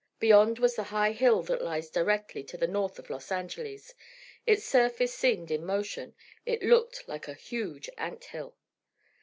Beyond was the high hill that lies directly to the north of Los Angeles. Its surface seemed in motion; it looked like a huge ant hill.